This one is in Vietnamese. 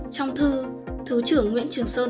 trong thư thứ trưởng nguyễn trường sơn